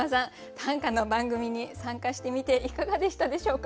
短歌の番組に参加してみていかがでしたでしょうか？